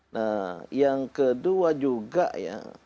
nah yang kedua juga ya